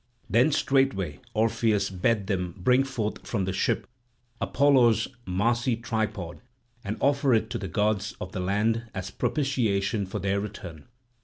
Then straightway Orpheus bade them bring forth from the ship Apollo's massy tripod and offer it to the gods of the land as propitiation for their return.